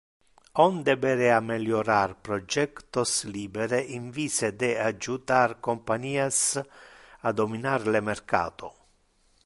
On deberea meliorar projectos libere in vice de adjutar companias a dominar le mercato.